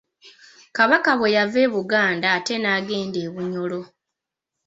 Kabaka bwe yava e Buganda ate n'agenda e Bunyoro.